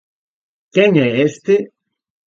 Quen é este?